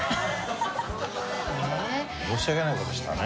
申し訳ない事したね。